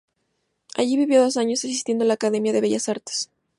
Allí vivió dos años asistiendo a la Academia de Bellas Artes.